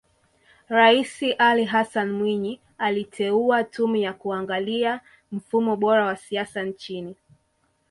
Rais Ali Hassan Mwinyi aliteua Tume ya kuangalia mfumo bora wa siasa nchini